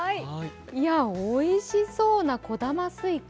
おいしそうな小玉すいか。